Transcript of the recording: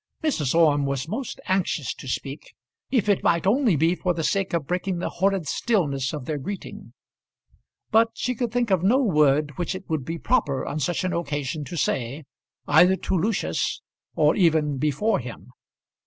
Mrs. Orme was most anxious to speak, if it might only be for the sake of breaking the horrid stillness of their greeting; but she could think of no word which it would be proper on such an occasion to say, either to Lucius, or even before him.